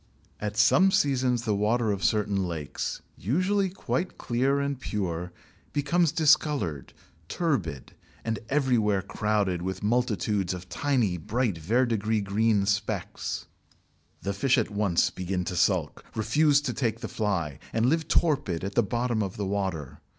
At some seasons the water of certain lakes, usually quite clear and pure, becomes discoloured, turbid, and everywhere crowded with multitudes of tiny, bright, verdigris green specks. The fish at once begin to sulk, refuse to take the fly, and live torpid at the bottom of the water.